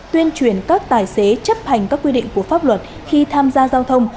tuyên truyền các tài xế chấp hành các quy định của pháp luật khi tham gia giao thông